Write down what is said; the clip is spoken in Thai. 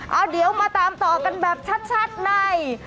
เอาเดี๋ยวมาตามต่อกันแบบชัดใน